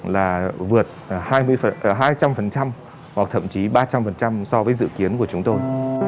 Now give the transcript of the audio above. là vượt hai trăm linh hoặc thậm chí ba trăm linh so với dự kiến của chúng tôi